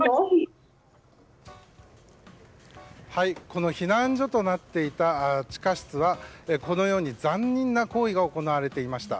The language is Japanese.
この避難所となっていた地下室はこのように残忍な行為が行われていました。